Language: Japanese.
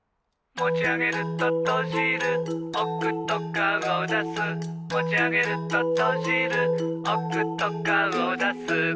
「もちあげるととじるおくとかおだす」「もちあげるととじるおくとかおだす」